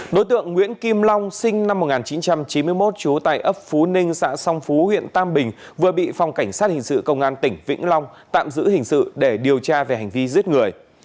đối tượng nguyễn kim long sinh năm một nghìn chín trăm chín mươi một trú tại ấp phú ninh xã song phú huyện tam bình vừa bị phòng cảnh sát hình sự công an tỉnh vĩnh long tạm giữ hình sự để điều tra về hành vi giết người